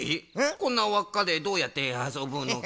こんなわっかでどうやってあそぶのかな？